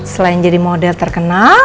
selain jadi model terkenal